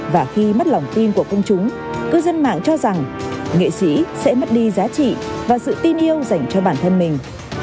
và khi mất lòng tin của công chúng cư dân mạng cho rằng nghệ sĩ sẽ mất đi giá trị và sự tin yêu dành cho bản thân mình